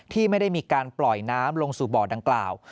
ที่ไม่ได้มีการปล่อยน้ำลงสู่บ่อดังกล่าว